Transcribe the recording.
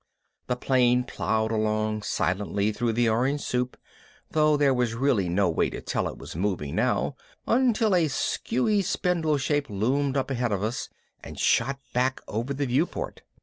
The plane ploughed along silently through the orange soup, though there was really no way to tell it was moving now until a skewy spindle shape loomed up ahead and shot back over the viewport.